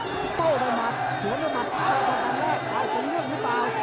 โต้เริ่มหมัดหัวเริ่มหมัดใครต้องการแรกไปตรงเนื่องหรือเปล่า